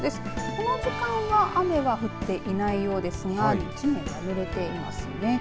この時間は雨は降っていないようですが地面がぬれていますね。